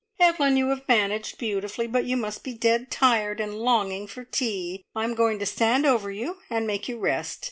"Evelyn, you have managed beautifully, but you must be dead tired and longing for tea. I'm going to stand over you and make you rest.